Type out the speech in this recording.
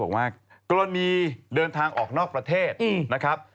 บอกว่ากรณีเดินทางออกนอกประเทศนะครับ